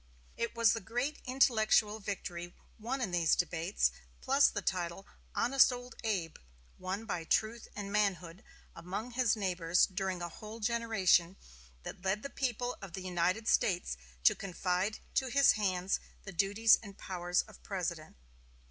It was the great intellectual victory won in these debates, plus the title "Honest old Abe," won by truth and manhood among his neighbors during a whole generation, that led the people of the United States to confide to his hands the duties and powers of President.